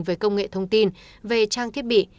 về công nghệ thông tin về trang thiết bị